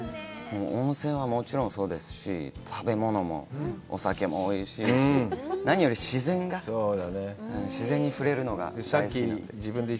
温泉はもちろんそうですし、食べ物も、お酒もおいしいですし、何より自然が、自然に触れるのが大好きなんで。